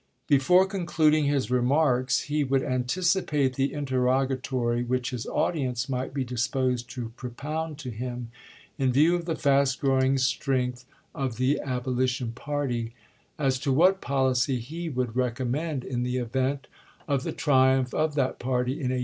Before concluding his remarks, he would anticipate the interrogatory which his audience might be disposed to propound to him, in view of the fast growing strength of 184 ABKAHAM LINCOLN chap. xii. the abolition party, as to what policy he would recom mend in the event of the triumph of that party in 18G0.